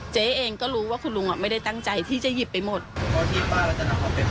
แจ๊เองก็รู้ว่าคุณลุงอะไม่ได้ตั้งใจที่จะหยิบไปหมด